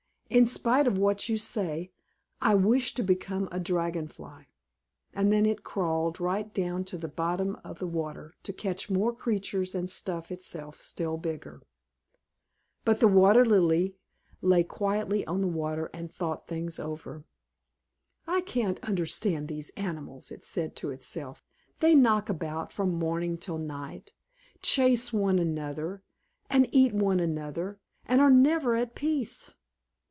In spite of what you say, I wish to become a Dragon Fly." And then it crawled right down to the bottom of the water to catch more creatures and stuff itself still bigger. But the Water Lily lay quietly on the water and thought things over. "I can't understand these animals," it said to itself. "They knock about from morning till night, chase one another and eat one another, and are never at peace.